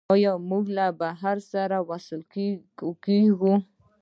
آیا موږ له بحر سره وصل کیږو؟